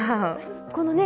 このね